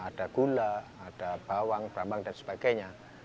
ada gula ada bawang brambang dan sebagainya